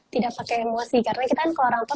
tidak pakai emosi karena kita kan kalau orang tua